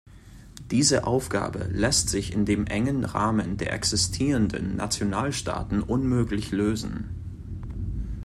Diese Aufgabe lässt sich in dem engen Rahmen der existierenden Nationalstaaten unmöglich lösen.